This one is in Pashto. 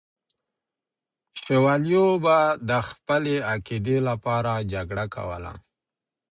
شوالیو به د خپلې عقیدې لپاره جګړه کوله.